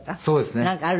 そうですね。